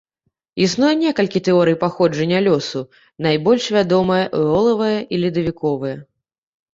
Існуе некалькі тэорый паходжання лёсу, найбольш вядомыя эолавая і ледавіковая.